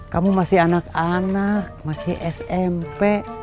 kamu masih anak anak masih smp